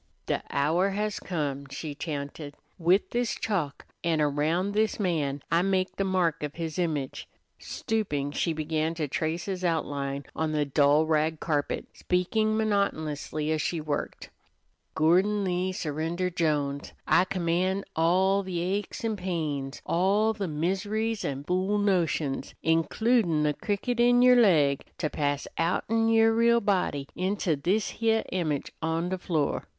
"De hour has come," she chanted. "With this chalk, an' around this man, I make the mark of his image." Stooping, she began to trace his outline on the dull rag carpet, speaking monotonously as she worked: "Gordon Lee Surrender Jones, I command all the aches an' the pains, all the miseries an' fool notions, includin' the cricket in yer leg, to pass outen yer real body into this heah image on the floor.